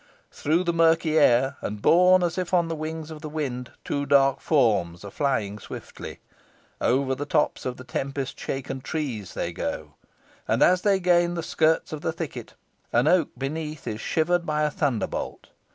Through the murky air, and borne as if on the wings of the wind, two dark forms are flying swiftly. Over the tops of the tempest shaken trees they go, and as they gain the skirts of the thicket an oak beneath is shivered by a thunderbolt.